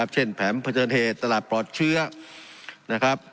เช่นแผมประเทศเทศตลาดปลอดเชื้อนะครับ